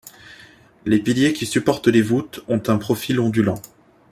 Les piliers qui supportent les voûtes ont un profil ondulant.